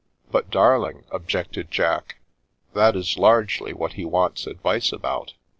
" "But, darling," objected Jack, "that is largely what he wants advice about."